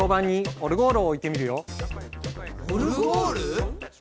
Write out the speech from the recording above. オルゴール？